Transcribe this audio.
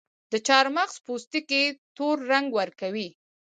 د چارمغز پوستکي تور رنګ ورکوي.